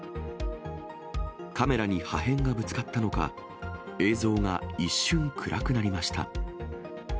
カメラに破片がぶつかったのか、映像が一瞬暗くなりました。